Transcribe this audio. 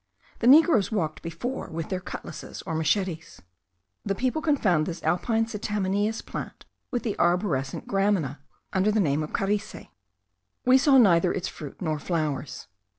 The negroes walked before with their cutlasses or machetes. The people confound this alpine scitamineous plant with the arborescent gramina, under the name of carice. We saw neither its fruit nor flowers.